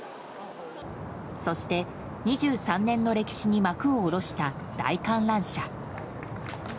そして、２３年の歴史に幕を下ろした大観覧車。